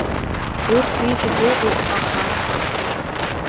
Урҭ иҵегь ыҟоуп аха.